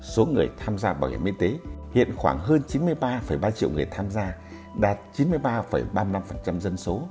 số người tham gia bảo hiểm y tế hiện khoảng hơn chín mươi ba ba triệu người tham gia đạt chín mươi ba ba mươi năm dân số